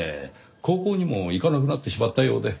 高校にも行かなくなってしまったようで。